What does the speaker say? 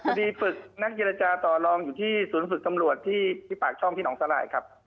ฝึกนักเจรจาต่อลองอยู่ที่ศูนย์ฝึกตำรวจที่ปากช่องที่หนองสลายครับ